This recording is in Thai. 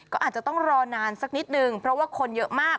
ก็อาจจะต้องรอนานสักนิดนึงเพราะว่าคนเยอะมาก